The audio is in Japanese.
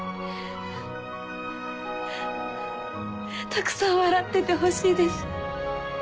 たくさん笑っててほしいです。